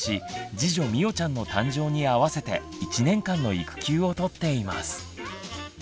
次女みおちゃんの誕生にあわせて１年間の育休を取っています。